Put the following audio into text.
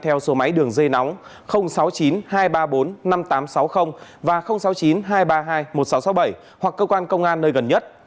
theo số máy đường dây nóng sáu mươi chín hai trăm ba mươi bốn năm nghìn tám trăm sáu mươi và sáu mươi chín hai trăm ba mươi hai một nghìn sáu trăm sáu mươi bảy hoặc cơ quan công an nơi gần nhất